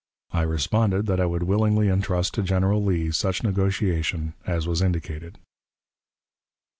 I responded that I would willingly intrust to General Lee such negotiation as was indicated.